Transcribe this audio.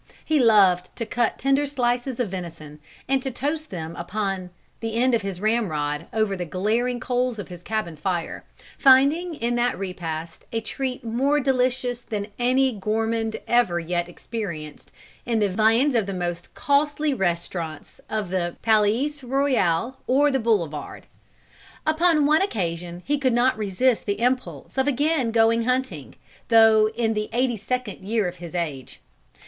He loved to cut tender slices of venison, and to toast them upon the end of his ramrod over the glaring coals of his cabin fire, finding in that repast a treat more delicious than any gourmand ever yet experienced in the viands of the most costly restaurants of the Palais Royal, or the Boulevard. Upon one occasion he could not resist the impulse of again going hunting, though in the eighty second year of his age.